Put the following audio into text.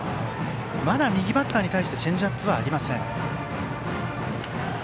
まだ右バッターに対してチェンジアップはありません。